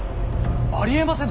ありえませぬ。